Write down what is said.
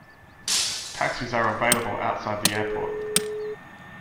Taxis are available outside the airport.